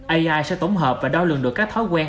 ai sẽ tổng hợp và đo lường được các thói quen